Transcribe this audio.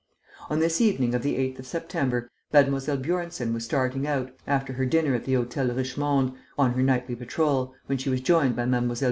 On this evening of the 8th of September, Mlle. Bjornsen was starting out, after her dinner at the Hôtel Richemond, on her nightly patrol, when she was joined by Mlle.